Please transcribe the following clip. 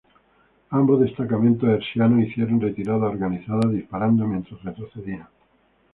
Ambos destacamentos hessianos hicieron retiradas organizadas, disparando mientras retrocedían.